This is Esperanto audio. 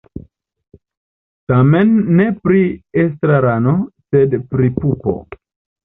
Temas ne pri estrarano, sed pri pupo.